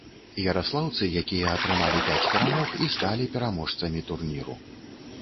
Яраслаўцы, якія атрымалі пяць перамог, і сталі пераможцамі турніру.